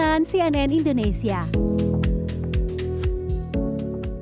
kandungan atsiri dari serai ini juga bisa dipindahkan untuk ditanam di rumah